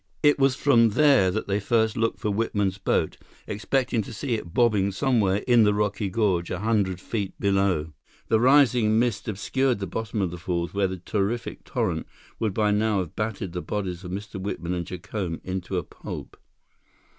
It was from there that they first looked for Whitman's boat, expecting to see it bobbing somewhere in the rocky gorge a hundred feet below. The rising mist obscured the bottom of the falls where the terrific torrent would by now have battered the bodies of Mr. Whitman and Jacome into a pulp.